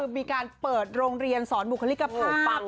มีการเปิดโรงเรียนสอนบุคลิกภาพปั๊บ